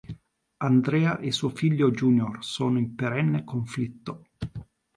Andrea e suo figlio Junior sono in perenne conflitto.